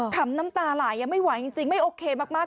น้ำตาไหลยังไม่ไหวจริงไม่โอเคมาก